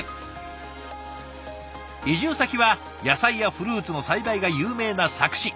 移住先は野菜やフルーツの栽培が有名な佐久市。